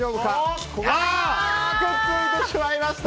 くっついてしまいました。